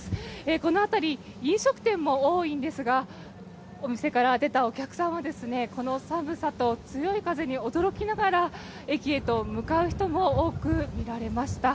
この辺り、飲食店も多いんですがお店から出たお客さんはこの寒さと強い風に驚きながら駅へと向かう人も多くみられました。